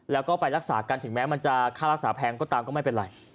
แล้วก็ไปรักษากันถึงแม้มันจะค่ารักษาแพงก็ตามก็ไม่เป็นไร